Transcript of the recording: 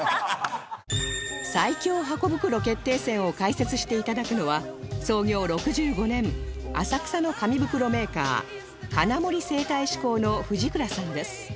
最強ハコ袋決定戦を解説して頂くのは創業６５年浅草の紙袋メーカー金森製袋紙工の藤倉さんです